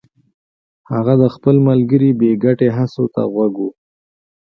هغه د خپل ملګري بې ګټې هڅو ته غوږ و